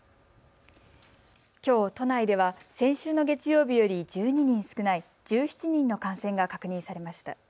きょう都内では先週の月曜日より１２人少ない１７人の感染が確認されました。